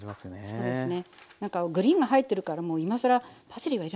そうですね。